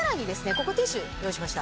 ここティッシュ用意しました。